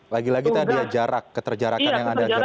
lagi lagi tadi ya jarak keterjarakan yang ada dari sebawah ini